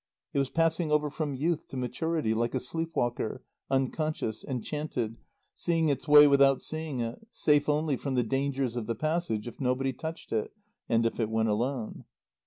It was passing over from youth to maturity, like a sleep walker, unconscious, enchanted, seeing its way without seeing it, safe only from the dangers of the passage if nobody touched it, and if it went alone.